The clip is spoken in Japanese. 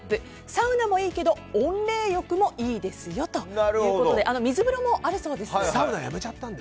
サウナもいいけど温冷浴もいいですよということで水風呂もあるそうです。